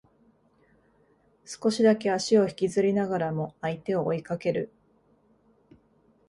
少しだけ足を引きずりながらも相手を追いかける